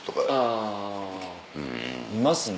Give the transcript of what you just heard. あいますね。